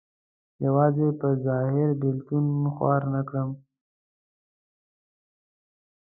یوازې په ظاهر بېلتون خوار نه کړم.